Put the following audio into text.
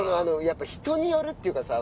やっぱ人によるっていうかさ